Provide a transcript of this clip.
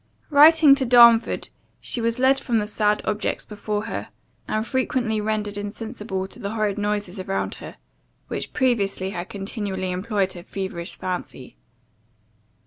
Writing to Darnford, she was led from the sad objects before her, and frequently rendered insensible to the horrid noises around her, which previously had continually employed her feverish fancy.